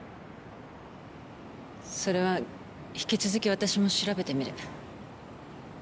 それは引き続き私も調べてみる。